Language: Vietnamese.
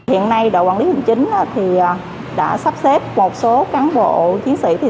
hiện nay đội quản lý hình chính đã sắp xếp một số cán bộ chiến sĩ